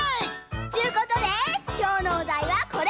ちゅうことできょうのおだいはこれ！